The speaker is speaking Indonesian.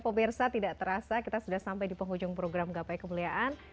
pemirsa tidak terasa kita sudah sampai di penghujung program gapai kemuliaan